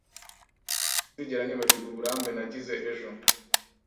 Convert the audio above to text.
Sinzigera nibagirwa uburambe nagize ejo